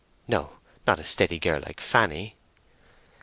"No; not a steady girl like Fanny!"